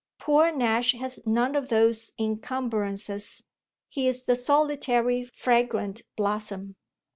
Poor Nash has none of those encumbrances: he's the solitary fragrant blossom."